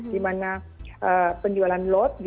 di mana penjualan lot